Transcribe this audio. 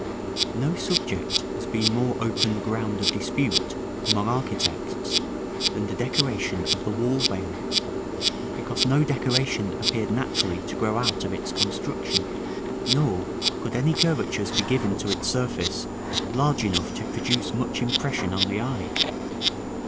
§ I. No subject has been more open ground of dispute among architects than the decoration of the wall veil, because no decoration appeared naturally to grow out of its construction; nor could any curvatures be given to its surface large enough to produce much impression on the eye.